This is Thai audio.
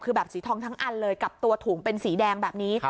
คือแบบสีทองทั้งอันเลยกับตัวถุงเป็นสีแดงแบบนี้